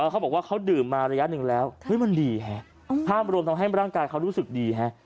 เขาบอกว่าเขาดื่มระยะหนึ่งแล้วเอ๊ะมันดีแฮกห้ามรวมให้ร่างกายเธอจะรู้สึกดีแฮก